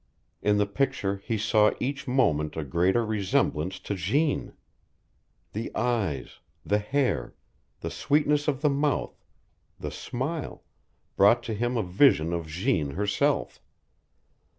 In the picture he saw each moment a greater resemblance to Jeanne. The eyes, the hair, the sweetness of the mouth, the smile, brought to him a vision of Jeanne herself.